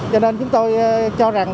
cho nên chúng tôi cho rằng